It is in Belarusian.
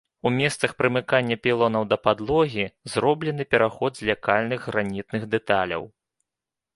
У месцах прымыкання пілонаў да падлогі зроблены пераход з лякальных гранітных дэталяў.